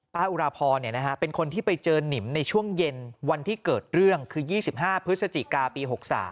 อุราพรเป็นคนที่ไปเจอนิมในช่วงเย็นวันที่เกิดเรื่องคือ๒๕พฤศจิกาปี๖๓